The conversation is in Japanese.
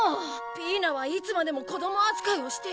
ピイナはいつまでも子供扱いをして。